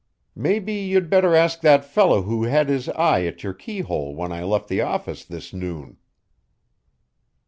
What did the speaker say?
"Maybe you'd better ask that fellow who had his eye at your keyhole when I left the office this noon."